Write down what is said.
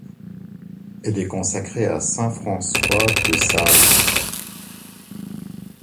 Elle est consacrée à saint François de Sales.